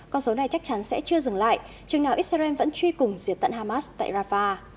con số này chắc chắn sẽ chưa dừng lại chừng nào israel vẫn truy cùng diệt tận hamas tại rafah